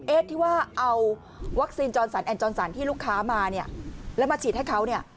ที่ว่าเอาวัคซีนจรสันแอนจรสันที่ลูกค้ามาเนี่ยแล้วมาฉีดให้เขาเนี่ย